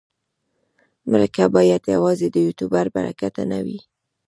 مرکه باید یوازې د یوټوبر ګټه نه وي.